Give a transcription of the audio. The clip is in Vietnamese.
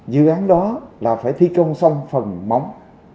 dự án đó là phải thi công xong phần móng